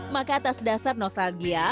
maka atas dasar nostalgia